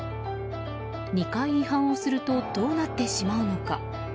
２回違反をするとどうなってしまうのか。